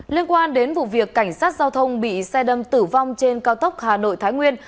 liên quan đến vụ việc cảnh sát giao thông bị xe đâm tử vong trên cao tốc hà nội thái nguyên